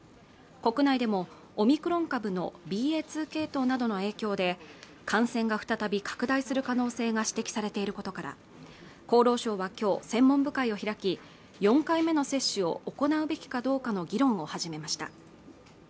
国内でもオミクロン株のＢＡ．２系統などの影響で感染が再び拡大する可能性が指摘されていることから厚労省は今日専門部会を開き４回目の接種を行うべきかどうかの議論を始めました